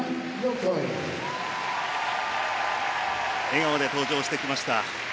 笑顔で登場してきました。